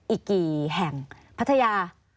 อีกกี่แห่งพัทยา